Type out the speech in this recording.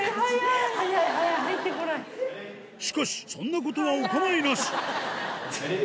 しかしそんなことはお構いなし